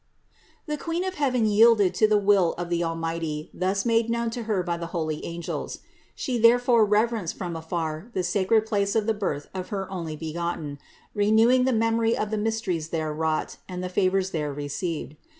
621. The Queen of heaven yielded to the will of the Almighty thus made known to Her by the holy angels. THE INCARNATION 531 She therefore reverenced from afar the sacred place of the birth of her Onlybegotten, renewing the memory of the mysteries there wrought and the favors there re ceived.